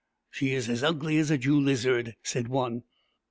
" She is as ugly as a Jew lizard," said one.